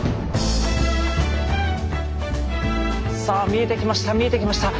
さあ見えてきました